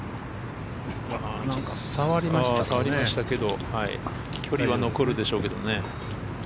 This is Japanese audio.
触りましたけど距離は残るでしょうけどね。